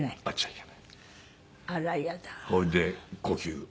あら。